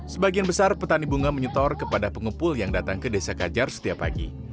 sebagian besar petani bunga menyetor kepada pengepul yang datang ke desa kajar setiap pagi